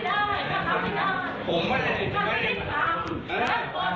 จัดจากไม่ได้เดอมมาขึ้น